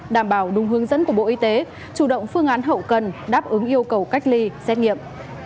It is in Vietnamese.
đảm bảo đúng hướng dẫn của bộ y tế chủ động phương án hậu cần đáp ứng yêu cầu cách ly xét nghiệm